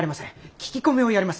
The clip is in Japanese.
聞き込みをやります。